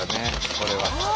これは。